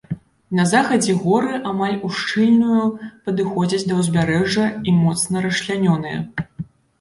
На захадзе горы амаль ушчыльную падыходзяць да ўзбярэжжа і моцна расчлянёныя.